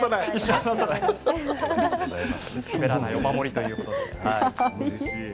滑らないお守りということで。